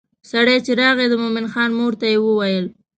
سړی چې راغی د مومن خان مور ته یې وویل.